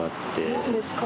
何ですか？